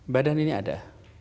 badan ini ada